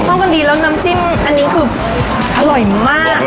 เข้ากันดีแล้วน้ำจิ้มอันนี้คืออร่อยมาก